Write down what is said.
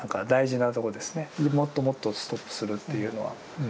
もっともっとをストップするというのは。